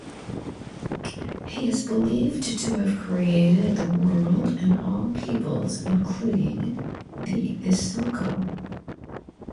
He is believed to have created the world and all peoples, including the Isoko.